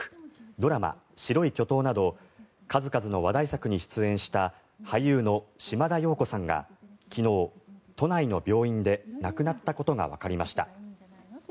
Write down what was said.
ドラマ「白い巨塔」など数々の話題作に出演した俳優の島田陽子さんが昨日、都内の病院で亡くなったことがわかりました。